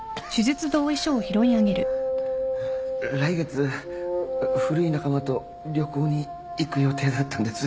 来月古い仲間と旅行に行く予定だったんです。